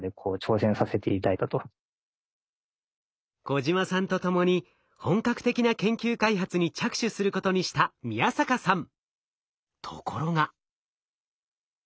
小島さんと共に本格的な研究開発に着手することにした宮坂さん。